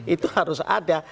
itu harus ada